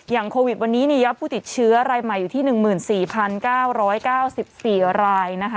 อย่างโควิดวันนี้เนี่ยผู้ติดเชื้อรายใหม่อยู่ที่หนึ่งหมื่นสี่พันเก้าร้อยเก้าสิบสี่รายนะคะ